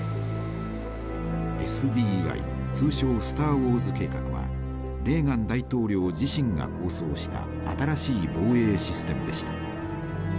ＳＤＩ通称スターウォーズ計画はレーガン大統領自身が構想した新しい防衛システムでした。